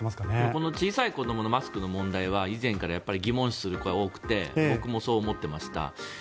この小さい子どものマスクの問題は以前から疑問視する声は多くて僕もそう思っていました。